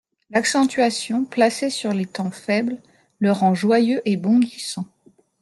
L'accentuation, placée sur les temps faible, le rend joyeux et bondissant.